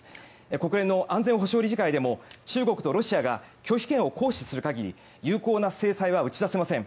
国連の安全保障理事会でも中国とロシアが拒否権を行使する限り有効な制裁は打ち出せません。